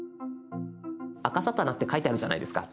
「あかさたな」って書いてあるじゃないですか。